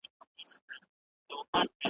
« خدای دي نه ورکوي خره لره ښکرونه .